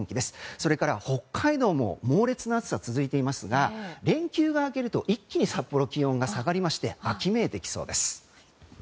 それから北海道も猛烈な暑さが続いていますが連休が明けると一気に札幌、気温が下がりまして秋めいてきそうです。